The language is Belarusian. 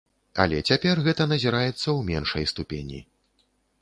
Але цяпер гэта назіраецца ў меншай ступені.